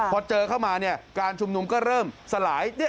พอเจอเข้ามาเนี่ยการชุมนุมก็เริ่มสลาย